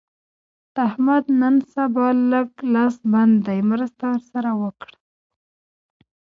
د احمد نن سبا لږ لاس بند دی؛ مرسته ور سره وکړه.